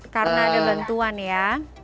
karena ada bantuan ya